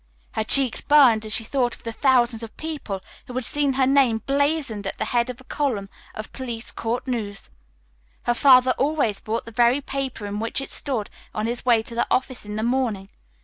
Her cheeks burned as she thought of the thousands of people who had seen her name blazoned at the head of a column of police court news. Her father always bought the very paper in which it stood on his way to the office in the morning.